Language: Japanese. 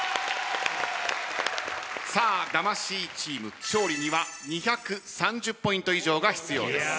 さあ魂チーム勝利には２３０ポイント以上が必要です。